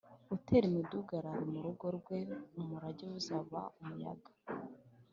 utera imidugararo mu rugo rwe umurage we uzaba umuyaga